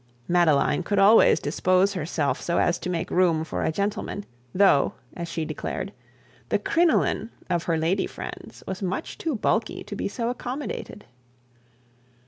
Madeline could always dispose herself so as to make room for a gentleman, though, as she declared, the crinoline of her lady friends was much too bulky to be so accommodated.